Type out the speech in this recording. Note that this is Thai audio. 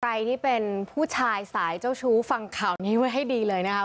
ใครที่เป็นผู้ชายสายเจ้าชู้ฟังข่าวนี้ไว้ให้ดีเลยนะคะ